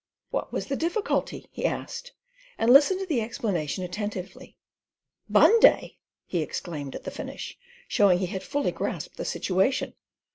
"What was the difficulty?" he asked, and listened to the explanation attentively. "Bunday!" he exclaimed at the finish, showing he had fully grasped the situation.